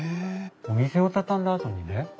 お店を畳んだあとにね